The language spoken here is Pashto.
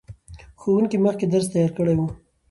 ښوونکي مخکې درس تیار کړی و.